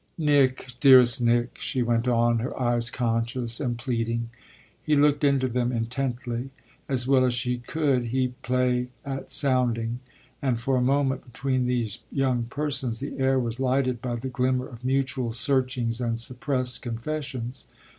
"Nick, dearest Nick!" she went on, her eyes conscious and pleading. He looked into them intently as well as she could he play at sounding and for a moment, between these young persons, the air was lighted by the glimmer of mutual searchings and suppressed confessions.